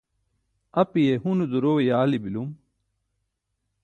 apiye hune duro e yaali bilum